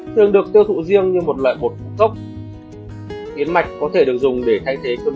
thường được tiêu thụ riêng như một loại bột ngũ khốc yến mạch có thể được dùng để thay thế cơm